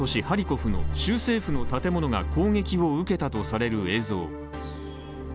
ハリコフの州政府の建物が攻撃を受けたとされる映像。